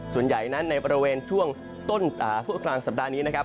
ส่วนใหญ่นั้นในบริเวณช่วงต้นกลางสัปดาห์นี้นะครับ